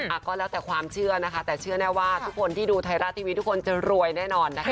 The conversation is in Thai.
อ่ะก็แล้วแต่ความเชื่อนะคะแต่เชื่อแน่ว่าทุกคนที่ดูไทยรัฐทีวีทุกคนจะรวยแน่นอนนะคะ